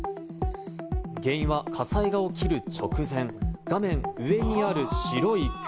原因は火災が起きる直前、画面上にある白い車。